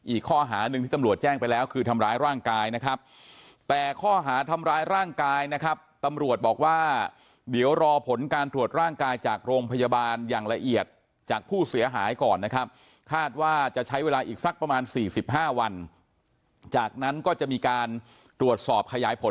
อีกข้อหาหนึ่งที่ตำรวจแจ้งไปแล้วคือทำร้ายร่างกายนะครับแต่ข้อหาทำร้ายร่างกายนะครับตำรวจบอกว่าเดี๋ยวรอผลการตรวจร่างกายจากโรงพยาบาลอย่างละเอียดจากผู้เสียหายก่อนนะครับ